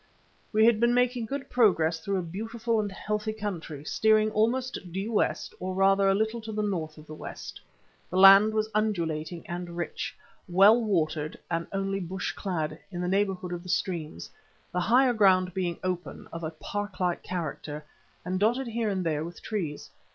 We had been making good progress through a beautiful and healthy country, steering almost due west, or rather a little to the north of west. The land was undulating and rich, well watered and only bush clad in the neighbourhood of the streams, the higher ground being open, of a park like character, and dotted here and there with trees.